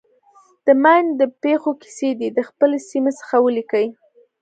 د ماین د پېښو کیسې دې د خپلې سیمې څخه ولیکي.